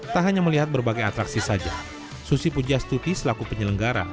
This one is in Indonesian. tak hanya melihat berbagai atraksi saja susi pujastuti selaku penyelenggara